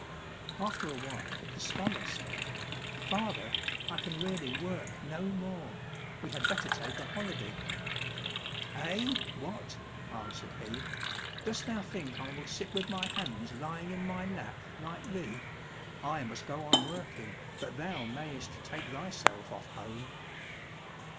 After a while the scholar said, "Father, I can really work no more, we had better take a holiday." "Eh, what!" answered he, "Dost thou think I will sit with my hands lying in my lap like thee? I must go on working, but thou mayst take thyself off home."